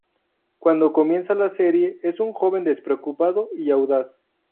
Cuando comienza la serie es un joven despreocupado y audaz.